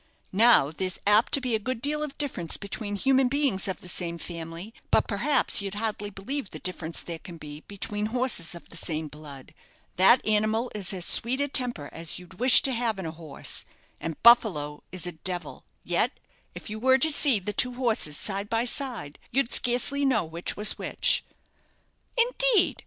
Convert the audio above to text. Now, there's apt to be a good deal of difference between human beings of the same family; but perhaps you'd hardly believe the difference there can be between horses of the same blood. That animal is as sweet a temper as you'd wish to have in a horse and 'Buffalo' is a devil; yet, if you were to see the two horses side by side, you'd scarcely know which was which." "Indeed!"